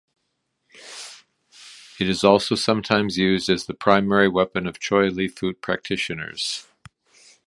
It is also sometimes used as the primary weapon of Choy Li Fut practitioners.